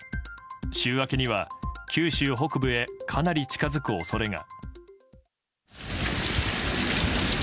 週明けには九州北部へかなり近づく恐れが。